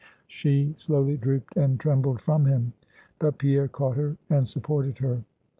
She slowly drooped, and trembled from him. But Pierre caught her, and supported her.